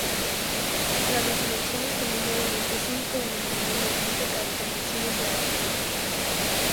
Tras las elecciones, formó un movimiento cívico denominado Movimiento para Intervención y Ciudadanía.